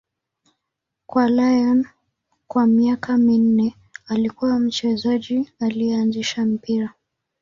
Kwa Lyon kwa miaka minne, alikuwa mchezaji aliyeanzisha mpira.